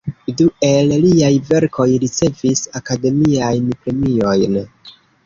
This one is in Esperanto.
Du el liaj verkoj ricevis akademiajn premiojn.